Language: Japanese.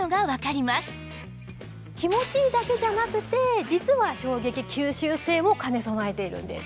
気持ちいいだけじゃなくて実は衝撃吸収性を兼ね備えているんです。